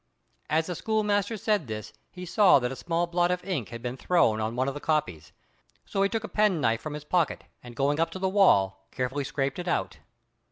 As the schoolmaster said this he saw that a small blot of ink had been thrown on one of the copies; so he took a penknife from his pocket, and going up to the wall carefully scraped it out.